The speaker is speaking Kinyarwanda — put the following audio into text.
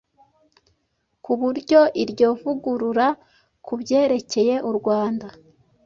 ku buryo iryo vugurura, ku byerekeye u Rwanda